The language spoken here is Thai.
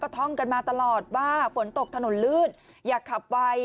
ท่องกันมาตลอดว่าฝนตกถนนลื่นอยากขับไว